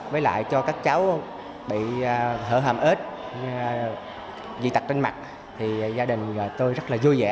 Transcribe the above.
với lại cho các cháu bị thở hàm ếch dị tật trên mặt thì gia đình tôi rất là vui vẻ